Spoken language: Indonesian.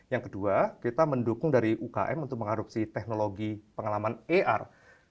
yang kedua kita mendukung dari ukm untuk mengadopsi teknologi pengalaman ar